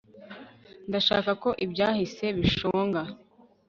ndashaka ko ibyahise bishonga